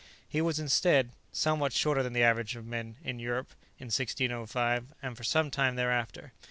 He was, instead, somewhat shorter than the average of men in Europe in 1605 and for some time thereafter.